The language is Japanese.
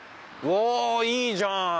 うわいいじゃん